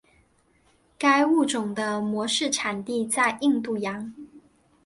该物种的模式产地在印度洋。